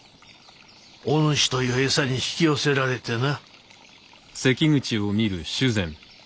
お主という餌に引き寄せられてな。